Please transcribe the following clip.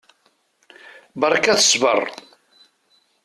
Beṛka-k ssbeṛ!